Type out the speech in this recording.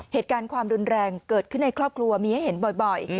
เหตุการณ์ความรุนแรงเกิดขึ้นในครอบครัวมีให้เห็นบ่อย